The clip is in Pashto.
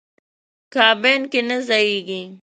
کابین کې نه ځایېږي.